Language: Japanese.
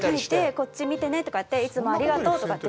「こっち見てね」とかいって「いつもありがとう」とかって。